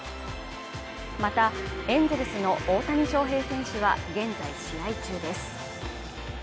またエンゼルスの大谷翔平選手は現在試合中です